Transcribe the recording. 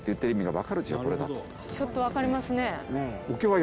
ちょっとわかりますね。